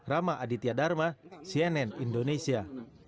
rama aditya dharma cnn indonesia